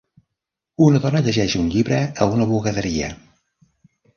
Una dona llegeix un llibre a una bugaderia.